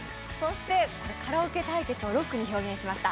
カラオケ対決をロックに表現しました。